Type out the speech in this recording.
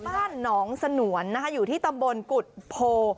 บ้านหนองสนวนนะคะอยู่ที่ตำบลกุฎโพ